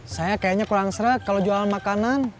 saya kayaknya kurang serah kalau jualan makanan